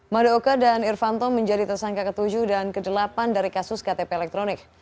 madeoka dan irfanto menjadi tersangka ke tujuh dan ke delapan dari kasus ktp elektronik